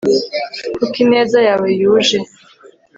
Kuko ineza yawe yuje